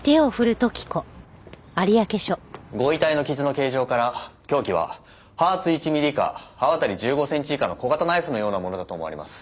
ご遺体の傷の形状から凶器は刃厚１ミリ以下刃渡り１５センチ以下の小型ナイフのようなものだと思われます。